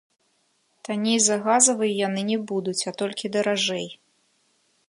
Танней за газавыя яны не будуць, а толькі даражэй.